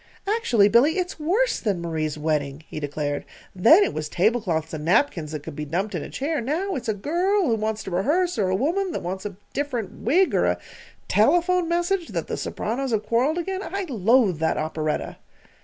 "Actually, Billy, it's worse than Marie's wedding," he declared, "Then it was tablecloths and napkins that could be dumped in a chair. Now it's a girl who wants to rehearse, or a woman that wants a different wig, or a telephone message that the sopranos have quarrelled again. I loathe that operetta!"